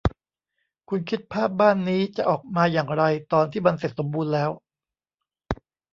คุณคิดภาพบ้านนี้จะออกมาอย่างไรตอนที่มันเสร็จสมบูรณ์แล้ว